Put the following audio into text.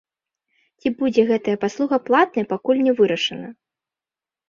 Ці будзе гэтая паслуга платнай, пакуль не вырашана.